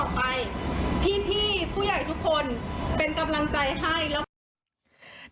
สู้ต่อไปพี่ผู้ใหญ่ทุกคนเป็นกำลังใจให้